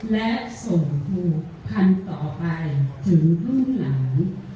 และส่งครูพันธุ์ต่อไปถึงรุ่นหลัง